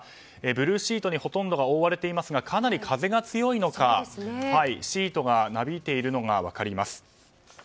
ブルーシートにほとんどが覆われていますがかなり風が強いのかシートがなびいているのが分かります。